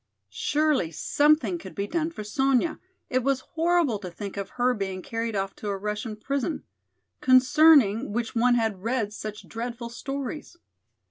Surely something could be done for Sonya, it was horrible to think of her being carried off to a Russian prison, concerning which one had read such dreadful stories.